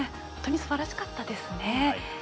すばらしかったですね。